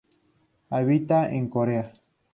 Habita en Corea.